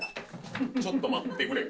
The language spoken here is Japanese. ちょっと待ってくれ。